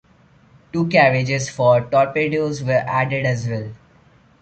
Two carriages for torpedoes were added as well.